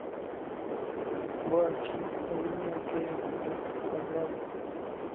Mbwa ki erumye ente eyange obulago?